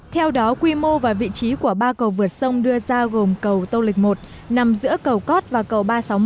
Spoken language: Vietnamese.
theo đó quy mô và vị trí của ba cầu vượt sông đưa ra gồm cầu tô lịch một nằm giữa cầu cót và cầu ba trăm sáu mươi một